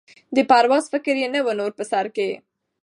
د پرواز فکر یې نه وو نور په سر کي